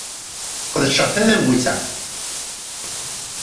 Sqedceɣ tadabut-a.